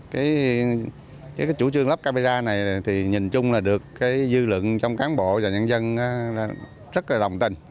chủ trương lắp camera này nhìn chung được dư luận trong cán bộ và nhân dân rất là đồng tình